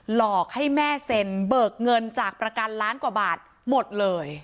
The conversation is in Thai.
หลอกให้แม่เซ็นเบิกเงินจากประกันล้านกว่าบาทหมดเลย